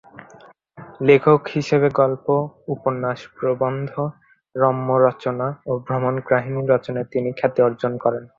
লেখক হিসেবে গল্প, উপন্যাস, প্রবন্ধ, রম্যরচনা ও ভ্রমণকাহিনী রচনায় তিনি খ্যাতি অর্জন করেন।